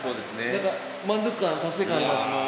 なんか満足感達成感あります。